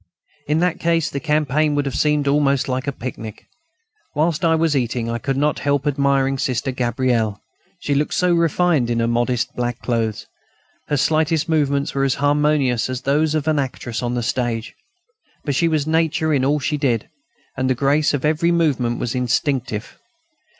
In that case the campaign would have seemed almost like a picnic. Whilst I was eating I could not help admiring Sister Gabrielle; she looked so refined in her modest black clothes. Her slightest movements were as harmonious as those of an actress on the stage. But she was natural in all she did, and the grace of every movement was instinctive.